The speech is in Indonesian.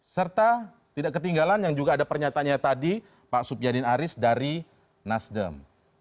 serta tidak ketinggalan yang juga ada pernyataannya tadi pak supyadin aris dari nasdem